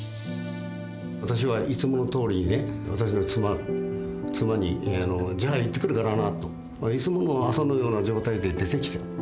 私はいつものとおりにね私の妻に「じゃあ行ってくるからな」といつもの朝のような状態で出てきた。